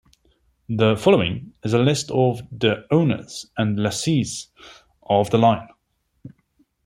The following is a list of the owners and lessees of the line.